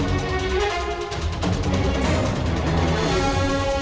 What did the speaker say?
tidak ada yang bisa dihukum